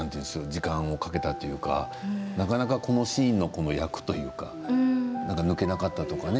時間もかけたというかなかなかこのシーンの役というか抜けなかったとかね。